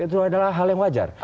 itu adalah hal yang wajar